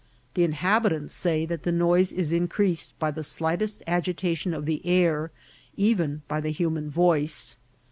The in habitants say that the noise is increased by the slight est agitation of the air, even by the human voice.